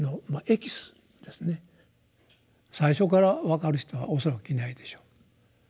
最初から分かる人は恐らくいないでしょう。